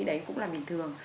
đấy cũng là bình thường